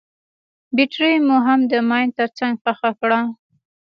بټرۍ مو هم د ماين تر څنګ ښخه کړه.